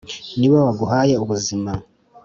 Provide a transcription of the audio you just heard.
niwe waguhaye ubuzima.